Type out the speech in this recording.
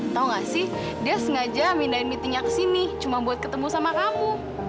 tau gak sih dia sengaja mindahin meetingnya kesini cuma buat ketemu sama kamu